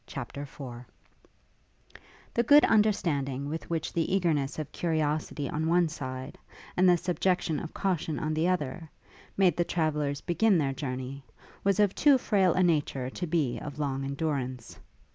CHAPTER IV The good understanding with which the eagerness of curiosity on one side, and the subjection of caution on the other, made the travellers begin their journey, was of too frail a nature to be of long endurance.